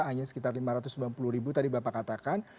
hanya sekitar lima ratus sembilan puluh ribu tadi bapak katakan